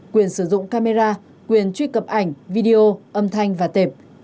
quyền sử dụng camera quyền truy cập ảnh video âm thanh và tệp